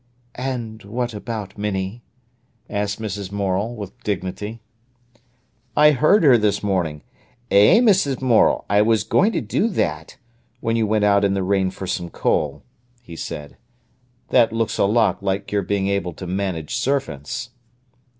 "And what about Minnie?" asked Mrs. Morel, with dignity. "I heard her this morning: 'Eh, Mrs. Morel! I was going to do that,' when you went out in the rain for some coal," he said. "That looks a lot like your being able to manage servants!"